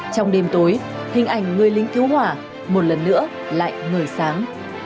trong đêm tối hình ảnh người lính cứu hỏa một lần nữa lại ngời sáng